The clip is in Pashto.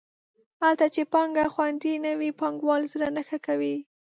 هلته چې پانګه خوندي نه وي پانګوال زړه نه ښه کوي.